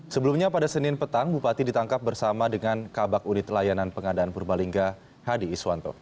sebelumnya pada senin petang bupati ditangkap bersama dengan kabak unit layanan pengadaan purbalingga hadi iswanto